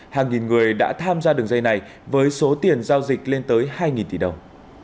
hàng nghìn người đã tham gia đường dây này với số tiền giao dịch lên tới hai tỷ đồng